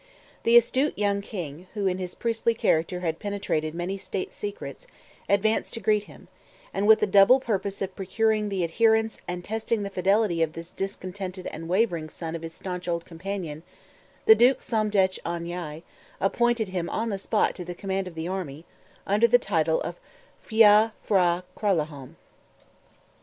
The astute young king, who in his priestly character had penetrated many state secrets, advanced to greet him, and with the double purpose of procuring the adherence and testing the fidelity of this discontented and wavering son of his stanch old champion, the Duke Somdetch Ong Yai, appointed him on the spot to the command of the army, under the title of Phya P'hra Kralahome.